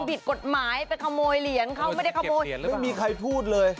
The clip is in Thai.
ผิดกฎหมายไปขโมยเหรียญเขาไม่ได้ขโมยเขาเป็นเพื่อเก็บเหรียญหรอมันไม่มีใครพูดเลย